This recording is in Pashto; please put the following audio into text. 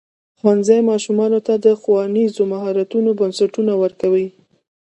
ښوونځی ماشومانو ته د ښوونیزو مهارتونو بنسټونه ورکوي.